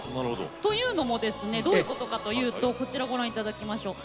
というのもどういうことかといいますとこちらをご覧いただきましょう。